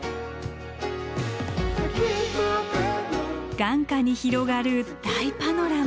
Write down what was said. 眼下に広がる大パノラマ。